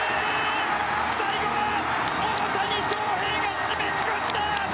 最後は大谷翔平が締めくくった！